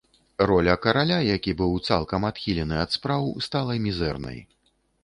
Роля караля, які быў цалкам адхілены ад спраў, стала мізэрнай.